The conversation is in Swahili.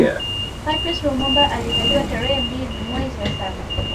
Patrice Lumumba alizaliwa tarehe mbili mwezi wa saba